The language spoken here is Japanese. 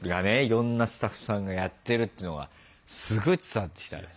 いろんなスタッフさんがやってるっていうのがすごい伝わってきたね。